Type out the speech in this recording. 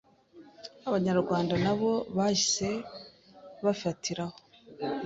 Abanyarwanda nabo bahise bafatiraho